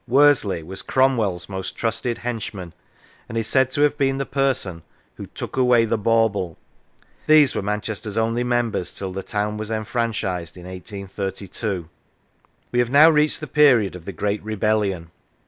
Worsley was Cromwell's most trusted henchman, and is said to have been the person who " took away the bauble." These were Manchester's only members till the town was enfranchised in 1832. We have now reached the period of the Great Re bellion.